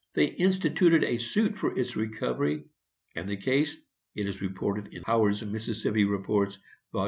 They instituted a suit for its recovery, and the case (it is reported in Howard's Mississippi Reports, vol.